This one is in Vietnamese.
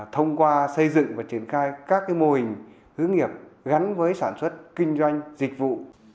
thông qua xây dựng và triển khai các mô hình hướng nghiệp gắn với sản xuất kinh doanh dịch vụ